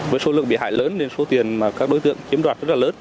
với số lượng bị hại lớn nên số tiền các đối tượng kiếm đoạt rất là lớn